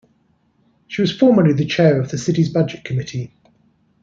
She was formerly the Chair of the City's Budget Committee.